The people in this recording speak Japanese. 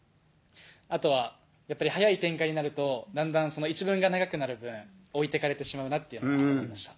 あとはやっぱり早い展開になるとだんだん一文が長くなる分おいてかれてしまうなっていうのがありました。